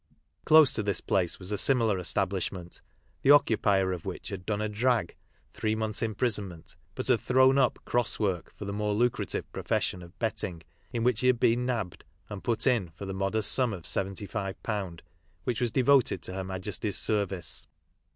Close to this place was a similar establishment, the occupier of which had done a "drag" (three months' imprisonment), but had thrown up " cross work " for the more lucrative pro i fession of betting, in which he had been "nabbed" and " put in" for the modest sum of £75, which was devoted to Pier Majesty's service.